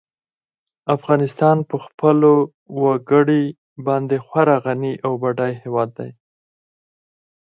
افغانستان په خپلو وګړي باندې خورا غني او بډای هېواد دی.